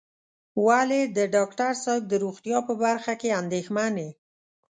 ولې د ډاکټر صاحب د روغتيا په برخه کې اندېښمن یې.